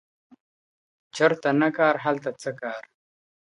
¬ چرته نه کار، هلته څه کار.